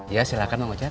iya silahkan mang ocat